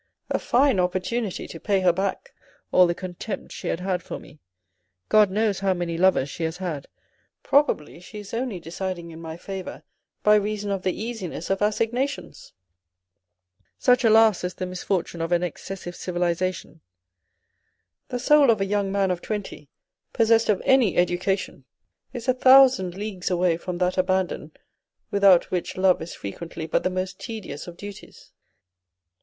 A fine opportunity to pay her back all the contempt she had had for me. God knows how many lovers she has had, probably she is only deciding in my favour by reason of the easiness of assignations." Such, alas, is the misfortune of an excessive civilisation. The soul of a young man of twenty, possessed of any education, is a thousand leagues away from that abandon without which love is frequently but the most tedious of duties.